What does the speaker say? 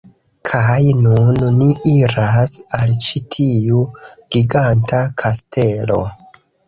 Kaj nun ni iras al ĉi tiu giganta kastelo